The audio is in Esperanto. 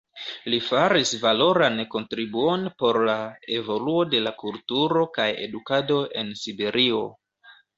Li faris valoran kontribuon por la evoluo de la kulturo kaj edukado en Siberio.